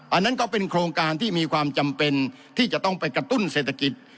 อันนั้นก็เป็นโครงการที่มีความจำเป็นที่จะต้องไปกระตุ้นเศรษฐกิจ